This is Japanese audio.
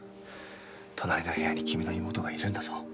隣の部屋に君の妹がいるんだぞ。